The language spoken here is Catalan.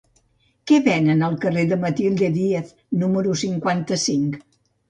Què venen al carrer de Matilde Díez número cinquanta-cinc?